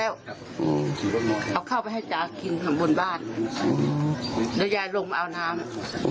เอาข้าวไปให้จ๋ากินข้างบนบ้านแล้วยายลงมาเอาน้ำ